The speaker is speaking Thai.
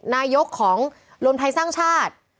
นายกของรวมไทยสร้างชาติ